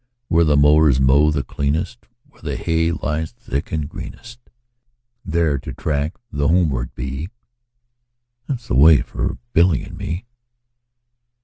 Where the mowers mow the cleanest, Where the hay lies thick and greenest, 10 There to track the homeward bee, That 's the way for Billy and me.